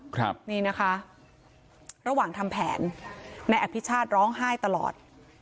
ครับนี่นะคะระหว่างทำแผนนายอภิชาติร้องไห้ตลอด